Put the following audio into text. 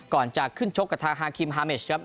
ก่อนจะขึ้นชกกับทางฮาคิมฮาเมชครับ